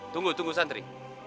tunggu tunggu santri